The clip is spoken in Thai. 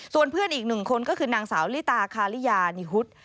ส่วนเพื่อนอีกหนึ่งคนก็คือนางสาวลิตาคาริยานิฮุต